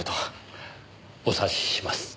お察しします。